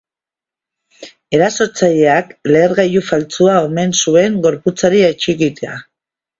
Erasotzaileak lehergailu faltsua omen zuen gorputzari atxikita.